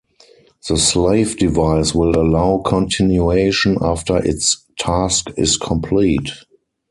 The slave device will allow continuation after its task is complete.